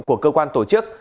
của cơ quan tổ chức